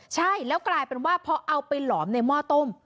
ใช่แล้วกลายเป็นว่าพอเอาไปหลอมในหม้อต้ม